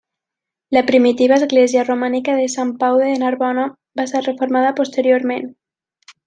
La primitiva església romànica de Sant Pau de Narbona va ser reformada posteriorment.